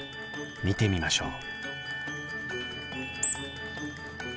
見てみましょう。